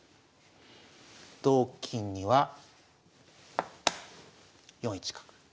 同金には４一角。